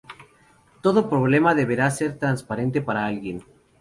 Todo problema deberá ser transparente para alguien.